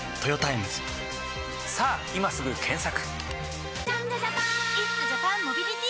さぁ今すぐ検索！